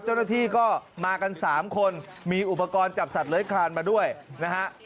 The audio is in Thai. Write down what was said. เจ้าหน้าที่ก็มากัน๓คนมีอุปกรณ์จับสัตว์เลื้อยคลานมาด้วยนะฮะ